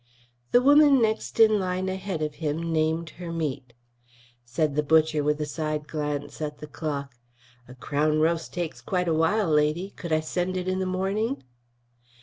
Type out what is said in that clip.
The woman next in line ahead of him named her meat. Said the butcher, with a side glance at the clock, "A crown roast takes quite a while, lady. Could I send it in the morning?"